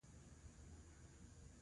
اوس لاره په بشپړه توګه امن ده.